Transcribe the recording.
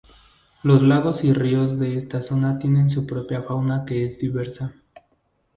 Los lagos y ríos de esta zona tienen su propia fauna que es diversa.